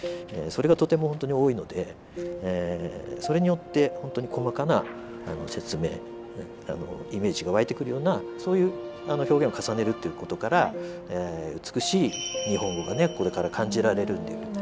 それがとてもほんとに多いのでそれによってほんとに細かな説明イメージが湧いてくるようなそういう表現を重ねるっていう事から美しい日本語がねこれから感じられる。